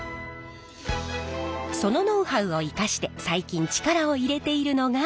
そのノウハウを生かして最近力を入れているのが。